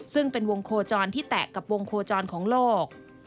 ซึ่งเป็นวงโคจรที่แตะกับวงโคจรของโลก